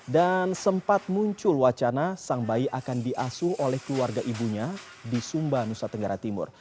dan sempat muncul wacana sang bayi akan diasuh oleh keluarga ibunya di sumba nusa tenggara timur